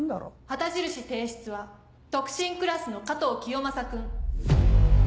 旗印提出は特進クラスの加藤清正君。